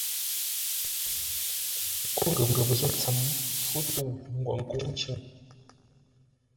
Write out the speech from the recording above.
Ńgó ghəpə́ zô tsəm, fú tə̂u ngwǒ nkə̂u ncʉ̂ŋ.